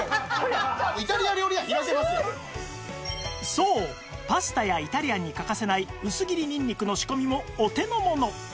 そうパスタやイタリアンに欠かせない薄切りにんにくの仕込みもお手のもの